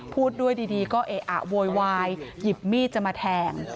พูดด้วยดีก็เอะอะโวยวายหยิบมีดจะมาแทง